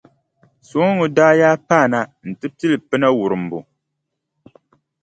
Sooŋa daa yaa paana nti pili pina wurimbu.